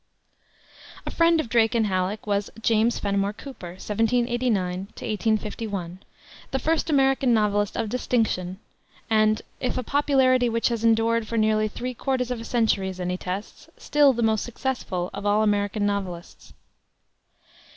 A friend of Drake and Halleck was James Fenimore Cooper (1789 1851), the first American novelist of distinction, and, if a popularity which has endured for nearly three quarters of a century is any test, still the most successful of all American novelists.